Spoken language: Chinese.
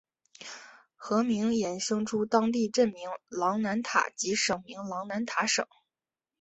河名衍生出当地镇名琅南塔及省名琅南塔省。